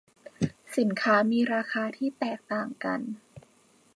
สินค้ามีราคาที่แตกต่างกัน